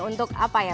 untuk apa ya